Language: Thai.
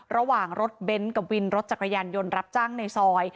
ระหว่างรถเบนท์กับวินรถจักรยานยนต์รับจ้างในซอย